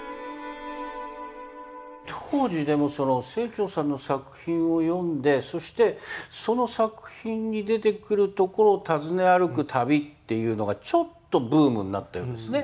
当時でもその清張さんの作品を読んでそしてその作品に出てくる所を訪ね歩く旅っていうのがちょっとブームになったようですね。